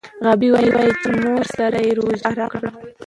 غابي وايي چې مور سره روژه یې ارام کړ.